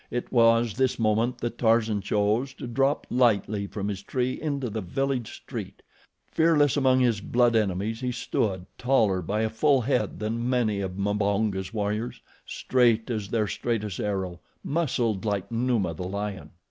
It was this moment that Tarzan chose to drop lightly from his tree into the village street. Fearless among his blood enemies he stood, taller by a full head than many of Mbonga's warriors, straight as their straightest arrow, muscled like Numa, the lion.